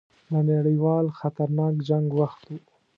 د نړیوال خطرناک جنګ وخت وو.